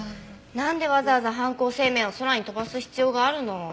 なんでわざわざ犯行声明を空に飛ばす必要があるの？